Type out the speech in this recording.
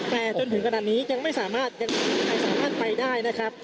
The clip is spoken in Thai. แต่จนถึงขนาดนี้ยังไม่สามารถไปได้นะครับ